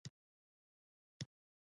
هر څوک خپل رول لري